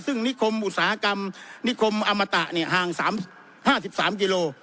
ซึ่งนิคมอุตสาหกรรมนิคมอมตะเนี้ยห่างสามห้าสิบสามกิโล